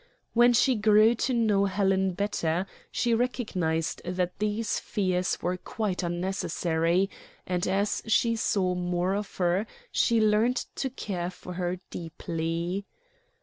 When she grew to know Helen better, she recognized that these fears were quite unnecessary, and as she saw more of her she learned to care for her deeply.